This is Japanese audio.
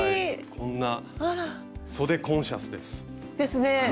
こんなそでコンシャスです。ですね。